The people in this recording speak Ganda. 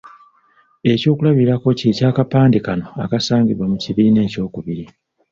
Ekyokulabirako kye ky’akapande kano akaasangibwa mu kibiina ekyokubiri.